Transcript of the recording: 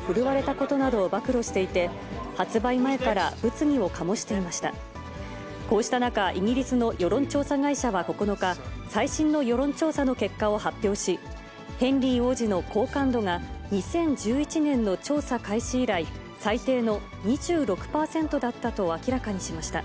こうした中、イギリスの世論調査会社は９日、最新の世論調査の結果を発表し、ヘンリー王子の好感度が２０１１年の調査開始以来、最低の２６％だったと明らかにしました。